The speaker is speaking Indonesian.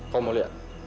kamu mau lihat